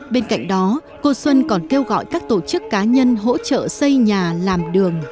bên cạnh đó cô xuân còn kêu gọi các tổ chức cá nhân hỗ trợ xây nhà làm đường